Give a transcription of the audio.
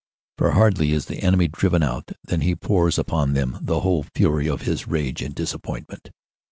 For hardly is the enemy driven out than he pours upon them the whole fury of his rage and disappointment.